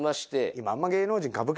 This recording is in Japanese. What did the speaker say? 今あんま。